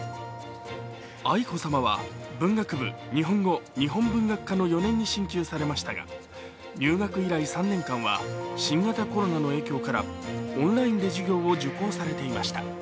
愛子さまは文学部日本語日本文学科の４年に進級されましたが、入学以来３年間は新型コロナの影響からオンラインで授業を受講されていました。